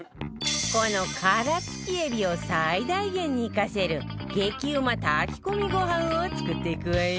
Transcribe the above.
この殻付きえびを最大限に生かせる激うま炊き込みご飯を作っていくわよ